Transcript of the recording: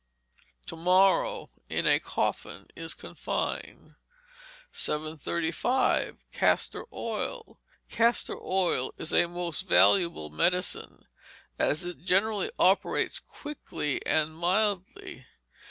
[TO MORROW, IN A COFFIN IS CONFINED.] 735. Castor Oil Castor Oil is a most valuable medicine, as it generally operates quickly and mildly.